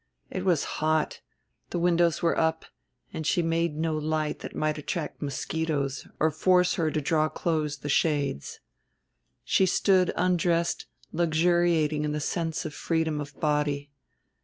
It was hot, the windows were up, and she made no light that might attract mosquitoes or force her to draw the close shades. She stood undressed luxuriating in the sense of freedom of body.